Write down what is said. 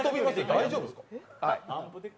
大丈夫ですか。